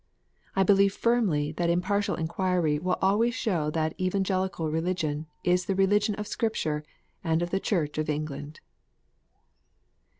I believe firmly that impartial inquiry will always show that Evangelical Religion is the religion of Scripture and of the Church of England.